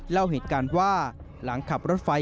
เล่าเหตุการณ์ว่าหลังขับรถไฟ